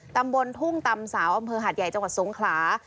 ตำบลทุ่งตำสาวอำเภอหาดใหญ่จังหวัดสงขลา